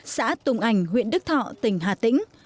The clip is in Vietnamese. xã tùng ảnh huyện đức thọ tỉnh hà tĩnh